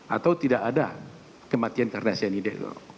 atau tidak ada kematian karena cyanida